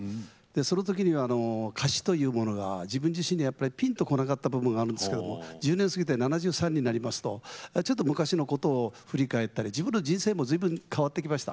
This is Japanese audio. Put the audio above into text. その時には歌詞というものが自分自身にはやっぱりピンとこなかった部分があるんですけども１０年過ぎて７３になりますとちょっと昔のことを振り返ったり自分の人生も随分変わってきました。